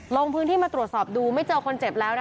ลงพื้นที่มาตรวจสอบดูไม่เจอคนเจ็บแล้ว